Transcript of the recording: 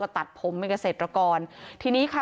ความปลอดภัยของนายอภิรักษ์และครอบครัวด้วยซ้ำ